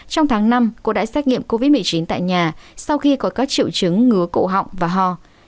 trong tháng năm cô đã xét nghiệm covid một mươi chín tại nhà sau khi có các triệu chứng ngứa cộ họng và ho